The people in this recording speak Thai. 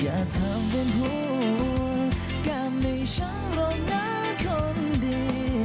อย่าทำเป็นหุ้นกล้ามในฉันร่วมในคนดี